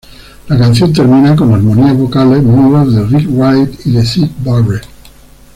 La canción termina con armonías vocales mudas de Rick Wright y de Syd Barrett.